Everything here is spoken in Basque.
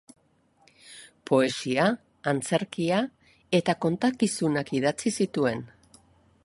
Poesia, antzerkia eta kontakizunak idatzi zituen.